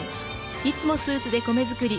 いつもスーツで米作り！